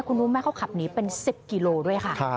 เดี๋ยวลูกแม่เขาขับหนีเป็น๑๐กิโลกรัมด้วยครับนี่ค่ะ